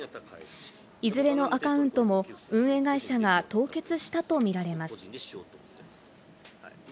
いずれのアカウントも運営会社が凍結したとみられます。